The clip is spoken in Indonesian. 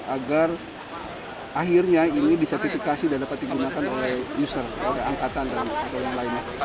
agar akhirnya ini disertifikasi dan dapat digunakan oleh user oleh angkatan dan lain lain